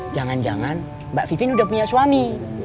jangan jangan mbak vivian udah punya suami